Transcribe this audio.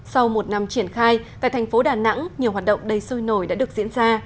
sau một năm triển khai tại thành phố đà nẵng nhiều hoạt động đầy sôi nổi đã được diễn ra